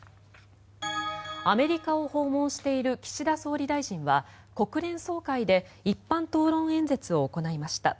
アメリカを訪問している岸田総理大臣は国連総会で一般討論演説を行いました。